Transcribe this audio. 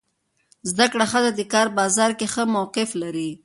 زده کړه ښځه د کار بازار کې ښه موقف لري.